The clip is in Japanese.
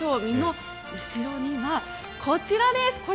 身の後ろには、こちらです！